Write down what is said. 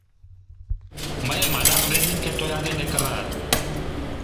Мыйым адак резинке тоя дене кырат.